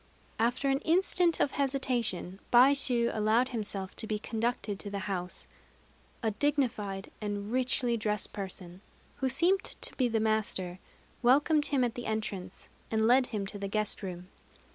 After an instant of hesitation, Baishû allowed himself to be conducted to the house. A dignified and richly dressed person, who seemed to be the master, welcomed him at the entrance, and led him to the guest room.